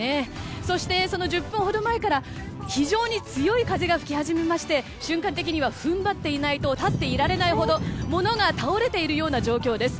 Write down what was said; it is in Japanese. そしてその１０分ほど前から非常に強い風が吹き始めまして瞬間的には踏ん張っていないと立っていられないほど物が倒れているような状況です。